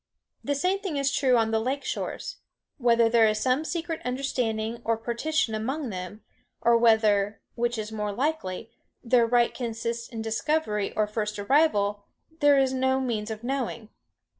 The same thing is true on the lake shores. Whether there is some secret understanding and partition among them, or whether (which is more likely) their right consists in discovery or first arrival, there is no means of knowing.